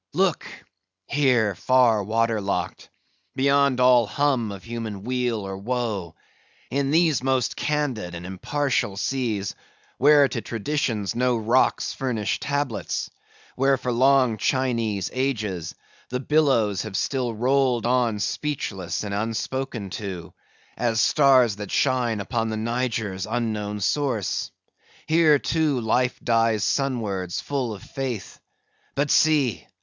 Look! here, far water locked; beyond all hum of human weal or woe; in these most candid and impartial seas; where to traditions no rocks furnish tablets; where for long Chinese ages, the billows have still rolled on speechless and unspoken to, as stars that shine upon the Niger's unknown source; here, too, life dies sunwards full of faith; but see!